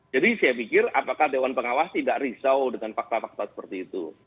jadi saya pikir apakah dewan pengawas tidak risau dengan fakta fakta seperti itu